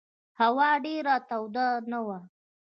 هوا ډېره توده نه وه.